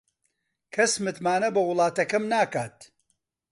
کەس متمانە بە وڵاتەکەم ناکات.